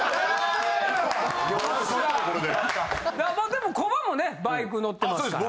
でもコバもねバイク乗ってますから。